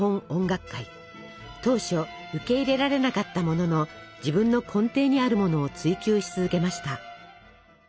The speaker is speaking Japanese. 当初受け入れられなかったものの自分の根底にあるものを追求し続けました。